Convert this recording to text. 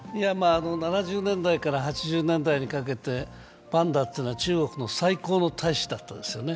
７０年代から８０年代にかけて、パンダというのは中国の最高の大使だったですよね。